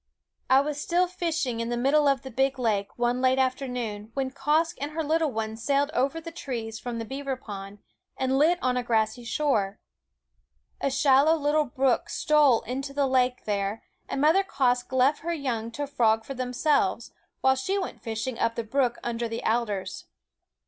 I was still fishing in the middle of the big lake, one late afternoon, when Quoskh and her little ones sailed over the trees from the beaver pond and lit on a grassy shore. A shallow little brook stole into the lake there, and Mother Quoskh left her young to frog for themselves, while she went fishing up the brook under the alders.